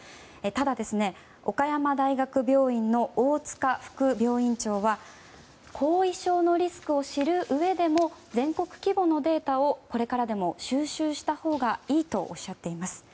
ただ、岡山大学病院の大塚文男副病院長は後遺症のリスクを知るうえでも全国規模のデータをこれからでも収集したほうがいいとおっしゃっています。